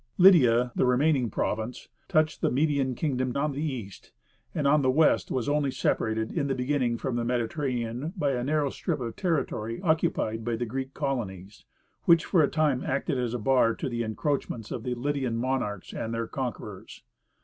Lydia, the remaining province, touched the Median kingdom on the east, and on the west was only separated, in the beginning, from the Mediterranean by the narrow strip of territory occupied by the Greek colonies, which for a time acted as a bar to the encroachments of the Lydian monarchs and their conquerors.